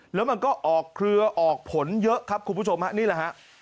แล้วมันก็ออกเครือออกผลเยอะครับคุณผู้ชมฮะนี่แหละฮะ